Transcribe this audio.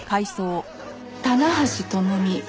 棚橋智美。